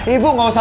ibu bu murray